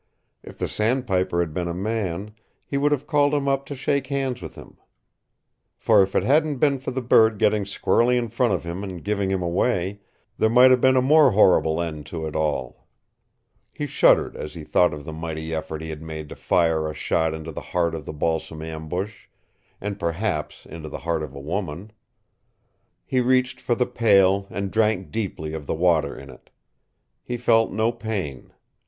If the sandpiper had been a man, he would have called him up to shake hands with him. For if it hadn't been for the bird getting squarely in front of him and giving him away, there might have been a more horrible end to it all. He shuddered as he thought of the mighty effort he had made to fire a shot into the heart of the balsam ambush and perhaps into the heart of a woman! He reached for the pail and drank deeply of the water in it. He felt no pain.